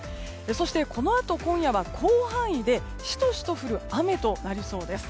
そして、このあと今夜は広範囲でしとしと降る雨となりそうです。